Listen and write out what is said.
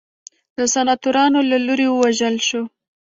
د سناتورانو له لوري ووژل شو.